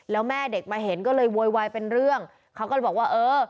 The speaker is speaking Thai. แล้วแม่เด็กมาเห็นก็เลยโวยวายเป็นเรื่องเขาก็เลยบอกว่าเออ